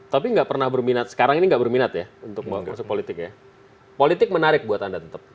tapi nggak pernah berminat sekarang ini nggak berminat ya untuk masuk politik ya politik menarik buat anda tetap